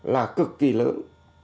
là cực kỳ lớn